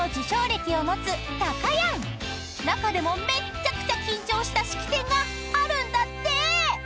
［中でもめっちゃくちゃ緊張した式典があるんだって］